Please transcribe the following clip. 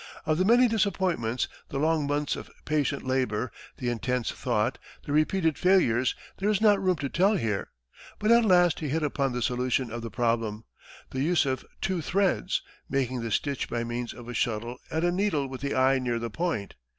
Of the many disappointments, the long months of patient labor, the intense thought, the repeated failures, there is not room to tell here; but at last he hit upon the solution of the problem the use of two threads, making the stitch by means of a shuttle and a needle with the eye near the point.